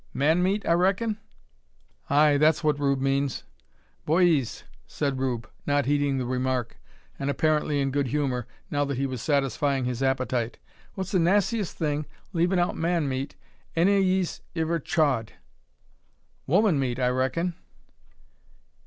"Man meat, I reckin?" "Ay, that's what Rube means." "Boyees!" said Rube, not heeding the remark, and apparently in good humour, now that he was satisfying his appetite, "what's the nassiest thing, leavin' out man meat, any o' 'ees iver chawed?" "Woman meat, I reckin."